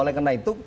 oleh karena itu